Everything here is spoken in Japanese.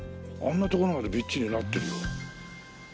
あんなところまでびっちりなってるよ。